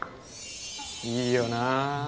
いいよな。